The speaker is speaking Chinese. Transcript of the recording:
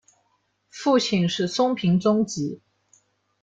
父亲是松平忠吉。